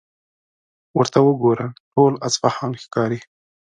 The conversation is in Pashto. ورته وګوره، ټول اصفهان ښکاري.